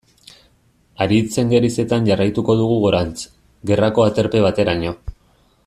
Haritzen gerizetan jarraituko dugu gorantz, gerrako aterpe bateraino.